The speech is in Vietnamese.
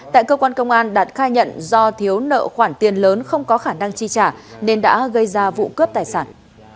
tại cơ quan công an đạt khai nhận do thiếu nợ khoản tiền lớn không có khả năng chi trả nên đã gây ra vụ cướp tài sản